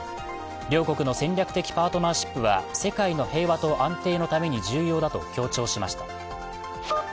両国の戦略的パートナーシップは世界の平和と安定のために重要だと強調しました。